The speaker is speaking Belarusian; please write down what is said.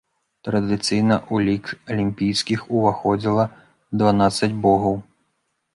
Традыцыйна ў лік алімпійскіх уваходзіла дванаццаць богаў.